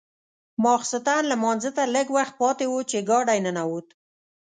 ماخوستن لمانځه ته لږ وخت پاتې و چې ګاډی ننوت.